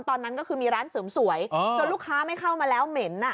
ตอนนั้นก็คือมีร้านเสริมสวยจนลูกค้าไม่เข้ามาแล้วเหม็น